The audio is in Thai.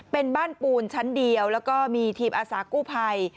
เป็นบ้านปูนชั้นเดียวแล้วก็มีทีมอาสากู้ภัย